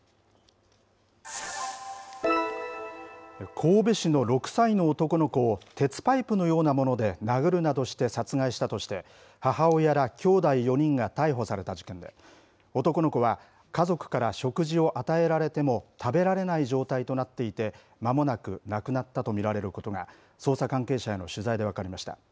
神戸市の６歳の男の子を鉄パイプのようなもので殴るなどして殺害したとして、母親ら、きょうだい４人が逮捕された事件で、男の子は、家族から食事を与えられても食べられない状態となっていて、まもなく亡くなったと見られることが、捜査関係者への取材で分かりました。